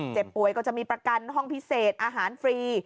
เจ็บป่วยก็จะมีประกันห้องพิเศษอาหารฟรี